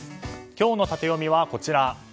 今日のタテヨミはこちら。